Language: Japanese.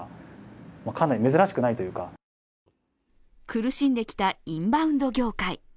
苦しんできたインバウンド業界。